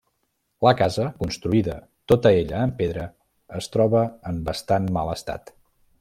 La casa, construïda tota ella en pedra, es troba en bastant mal estat.